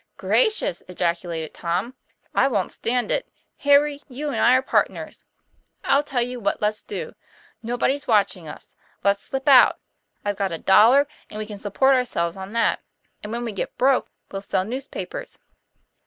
* ''Gracious!" ejaculated Tom. 'I wont stand it. Harry, you and I are partners. I'll tell you what let's do. Nobody's watching us. Let's slip out. I've got a dollar, and we can support ourselves on that: and when we get broke, we'll sell newspapers."